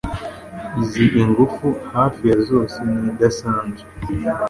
Izi Ingufu hafi ya zose ntidasanzwe